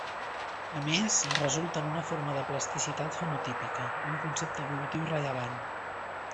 A més, resulten una forma de plasticitat fenotípica, un concepte evolutiu rellevant.